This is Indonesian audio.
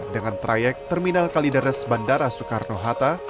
dengan trayek terminal kalideres bandara soekarno hatta